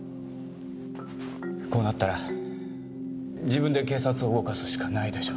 こうなったら自分で警察を動かすしかないでしょう？